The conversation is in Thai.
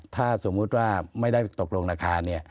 ถ้าสมมุติว่าไม่ได้ตกลงราคาเนี่ย